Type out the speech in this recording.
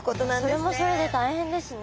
それもそれで大変ですね。